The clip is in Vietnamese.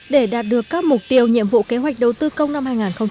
để đạt được các mục tiêu nhiệm vụ kế hoạch đầu tư công năm hai nghìn hai mươi